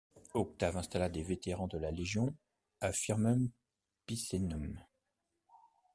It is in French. Octave installa des vétérans de la légion à Firmum Picenum.